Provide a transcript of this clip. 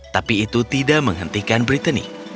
tapi itu tidak menghentikan brittennic